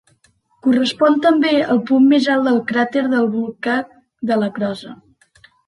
Correspon també al punt més alt del cràter del volcà de la Crosa.